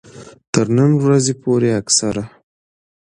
تر نن ورځې پورې اکثره